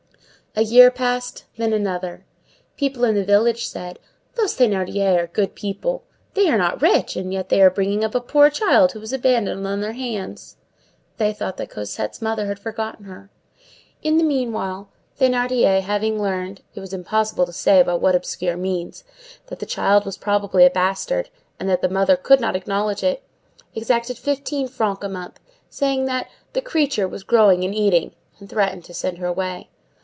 A year passed; then another. People in the village said:— "Those Thénardiers are good people. They are not rich, and yet they are bringing up a poor child who was abandoned on their hands!" They thought that Cosette's mother had forgotten her. In the meanwhile, Thénardier, having learned, it is impossible to say by what obscure means, that the child was probably a bastard, and that the mother could not acknowledge it, exacted fifteen francs a month, saying that "the creature" was growing and "eating," and threatening to send her away.